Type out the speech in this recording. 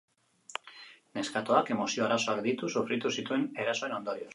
Neskatoak emozio arazoak ditu, sufritu zituen erasoen ondorioz.